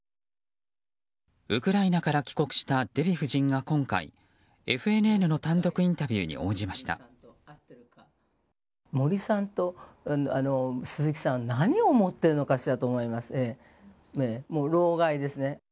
ウクライナから帰国したデヴィ夫人が今回ＦＮＮの単独インタビューに応じました。